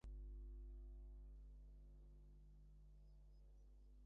দারোগার বন্ধুত্ব সেই দিন যেন আমাকে চাবুক মারিয়া অপমান করিল।